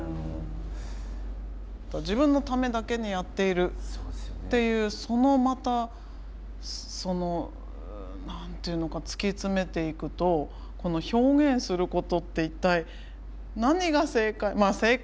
「自分のためだけにやっている」っていうそのまたその何て言うのか突き詰めていくとこの表現することって一体何が正解？